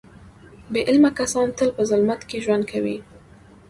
بې علمه کسان تل په ظلمت کې ژوند کوي.